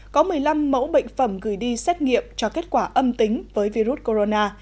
có một mươi năm mẫu bệnh phẩm gửi đi xét nghiệm cho kết quả âm tính với virus corona